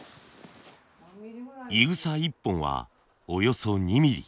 いぐさ１本はおよそ２ミリ。